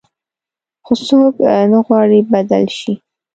خو څوک نه غواړي بدل شي.